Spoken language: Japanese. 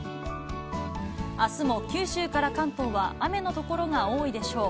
あすも九州から関東は雨の所が多いでしょう。